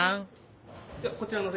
こちらのお席に。